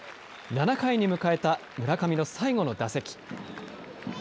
７回に迎えた村上の最後の打席。